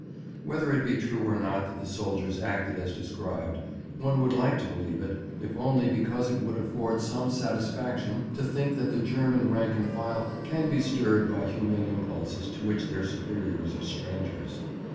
Whether it be true or not that the soldiers acted as described, one would like to believe it, if only because it would afford some satisfaction to think that the German rank and file can be stirred by humane impulses to which their superiors are strangers.